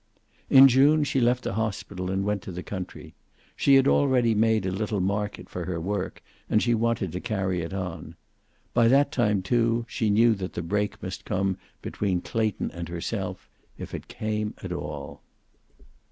In June she left the hospital and went to the country. She had already made a little market for her work, and she wanted to carry it on. By that time, too, she knew that the break must come between Clayton and herself if it came at all.